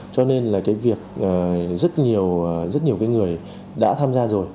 cho nên là cái việc rất nhiều người đã tham gia rồi